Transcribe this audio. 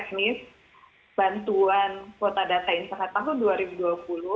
kementerian pendidikan dan pekerjaan tentang petunjuk teknis bantuan kuota data internet tahun dua ribu dua puluh